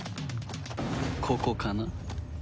ここかな？